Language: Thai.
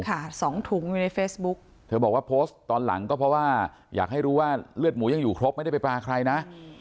สองถุงอยู่ในเฟซบุ๊กเธอบอกว่าโพสต์ตอนหลังก็เพราะว่าอยากให้รู้ว่าเลือดหมูยังอยู่ครบไม่ได้ไปปลาใครนะ